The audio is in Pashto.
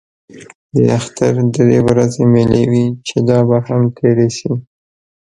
د اختر درې ورځې مېلې وې چې دا به هم تېرې شي.